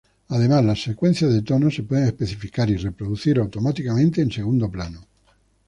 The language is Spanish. Además, las secuencias de tonos se pueden especificar y reproducir automáticamente en segundo plano.